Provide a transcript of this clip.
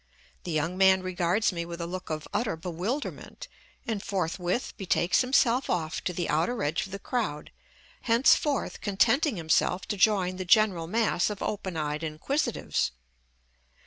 The young man regards me with a look of utter bewilderment, and forthwith betakes himself off to the outer edge of the crowd, henceforth contenting himself to join the general mass of open eyed inquisitives.